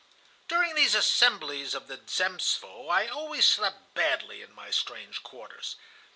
"During these assemblies of the Zemstvo I always slept badly in my strange quarters.